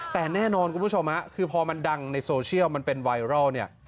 แต่แน่นอนคุณผู้ชมคือพอมันดังในโซเชียลมันเป็นไวรัลเนี่ย